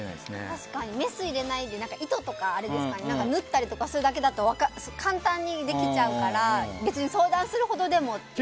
確かにメスを入れないで糸とかで縫ったりするだけだと簡単にできちゃうから別に相談するほどでもって。